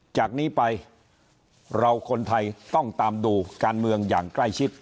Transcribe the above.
จากนี้ไปเราคนไทยต้องตามดูการเมืองอย่างใกล้ชิด